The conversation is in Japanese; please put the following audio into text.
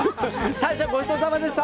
大将、ごちそうさまでした！